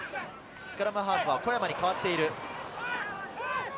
スクラムハーフは小山に代わっている。